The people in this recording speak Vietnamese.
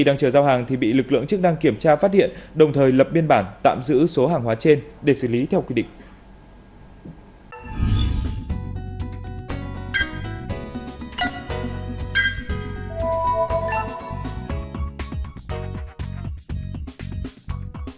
đang chờ giao hàng thì bị lực lượng chức năng kiểm tra phát hiện đồng thời lập biên bản tạm giữ số hàng hóa trên để xử lý theo quy định